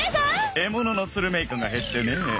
獲物のスルメイカが減ってねえ